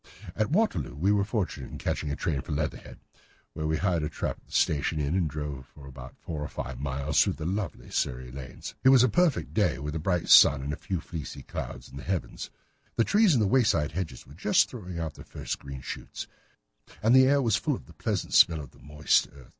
At Waterloo we were fortunate in catching a train for Leatherhead, where we hired a trap at the station inn and drove for four or five miles through the lovely Surrey lanes. It was a perfect day, with a bright sun and a few fleecy clouds in the heavens. The trees and wayside hedges were just throwing out their first green shoots, and the air was full of the pleasant smell of the moist earth.